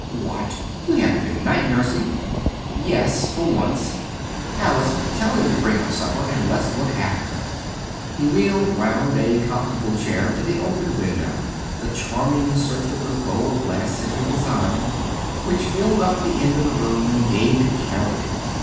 "What! you haven't been night nursing?" "Yes, for once." "Alice, tell them to bring up supper, and let's look after her." He wheeled round a comfortable chair to the open window the charming circular bow of last century design, which filled up the end of the room and gave it character.